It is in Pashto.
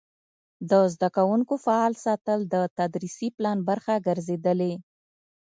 د زده کوونکو فعال ساتل د تدریسي پلان برخه ګرځېدلې.